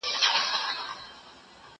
ته چي هري خواته ځې ځه پر هغه ځه